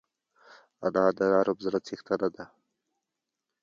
انا د نرم زړه څښتنه ده